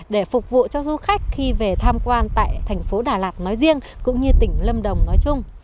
để phục vụ cho du khách khi về tham quan tại thành phố đà lạt nói riêng cũng như tỉnh lâm đồng nói chung